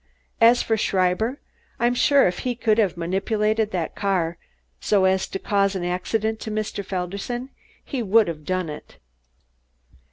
As for Schreiber, I'm sure if he could have manipulated that car so as to cause an accident to Mr. Felderson, he would have done it."